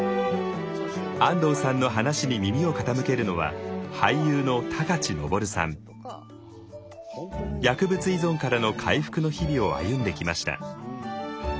安藤さんの話に耳を傾けるのは薬物依存からの回復の日々を歩んできました。